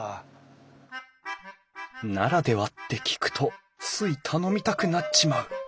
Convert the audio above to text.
「ならでは」って聞くとつい頼みたくなっちまう！